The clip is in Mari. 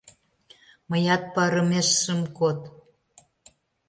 Мыят парымеш шым код.